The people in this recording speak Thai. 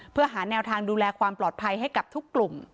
เพื่อหาแนวทางดูแลความปลอดภัยให้กับทุกกลุ่ม